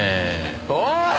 おい！